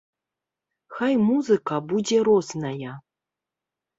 Хай музыка будзе розная.